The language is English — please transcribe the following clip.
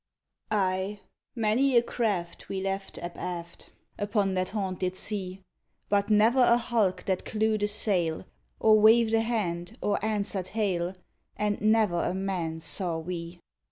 Ay! many a craft we left abaft Upon that haunted sea; But never a hulk that clewed a sail, Or waved a hand, or answered hail, And never a man saw we.